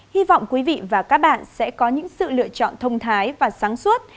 hy vọng quý vị và các bạn sẽ có những sự lựa chọn thông thái và sáng suốt